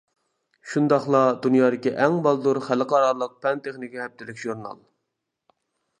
شۇنداقلا دۇنيادىكى ئەڭ بالدۇر خەلقئارالىق پەن-تېخنىكا ھەپتىلىك ژۇرنال.